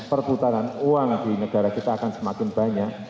perputaran uang di negara kita akan semakin banyak